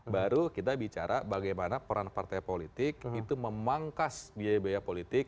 baru kita bicara bagaimana peran partai politik itu memangkas biaya biaya politik